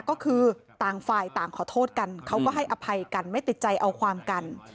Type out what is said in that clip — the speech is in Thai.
ก็คือต่างฝ่ายต่างขอโทษกันเขาก็ให้อภัยกันไม่ติดใจเอาความกัน